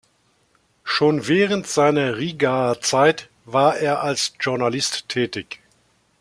Schon während seiner Rigaer Zeit war er als Journalist tätig.